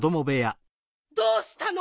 どうしたの？